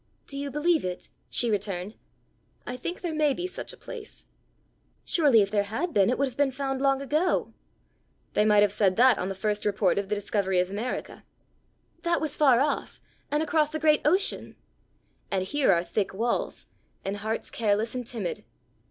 "Do you believe it?" she returned. "I think there may be such a place." "Surely if there had been, it would have been found long ago." "They might have said that on the first report of the discovery of America!" "That was far off, and across a great ocean!" "And here are thick walls, and hearts careless and timid!